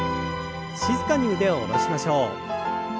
静かに腕を下ろしましょう。